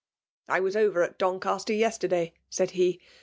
'*'I was over at Doncaster yesterday/' said Iw.